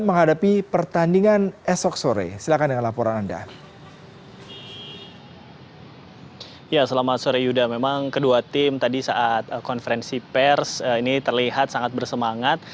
memang kedua tim tadi saat konferensi pers ini terlihat sangat bersemangat